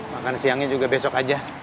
makan siangnya juga besok aja